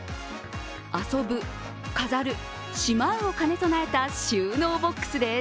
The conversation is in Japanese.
遊ぶ、飾る、しまうを兼ね備えた収納ボックスです。